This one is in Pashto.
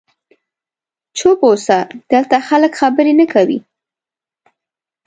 چوپ اوسه، دلته خلک خبرې نه کوي.